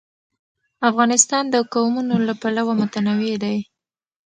افغانستان د قومونه له پلوه متنوع دی.